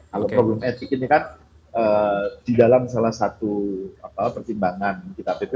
kalau problem etik ini kan di dalam salah satu pertimbangan kita pp